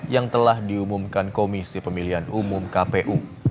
yang telah diumumkan komisi pemilihan umum kpu